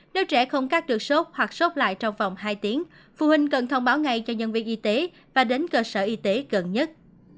nếu trẻ không cắt được sốt hoặc sốt lại trong vòng hai tiếng phụ huynh cần thông báo ngay cho nhân viên y tế và đến cơ sở y tế gần nhất